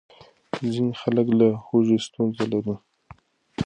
ځینې خلک له هوږې ستونزه لري.